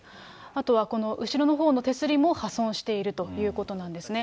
あとは、この後ろのほうの手すりも破損しているということなんですね。